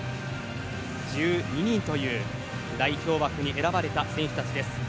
１２人という代表枠に選ばれた選手たちです。